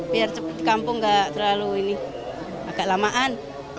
biar kampung enggak terlalu ini agak lamaan